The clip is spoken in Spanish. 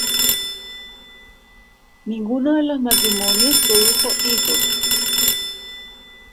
Ninguno de los matrimonios produjo hijos.